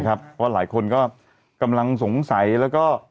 เพราะหลายคนก็กำลังสงสัยแล้วก็